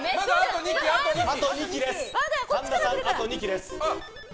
神田さん、あと２機です。